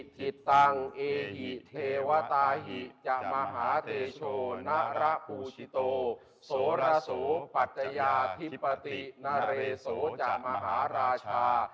โสระโสปัจจัยาธิปฏินเรโสจัดมหาราชา